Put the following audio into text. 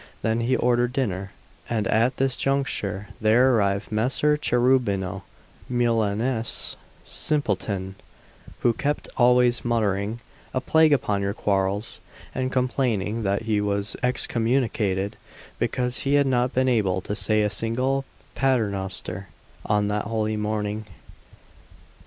Then we ordered dinner; and at this juncture there arrived Messer Cherubino and that Milanese simpleton, who kept always muttering: "A plague upon your quarrels," and complaining that he was excommunicated because he had not been able to say a single Paternoster on that holy morning.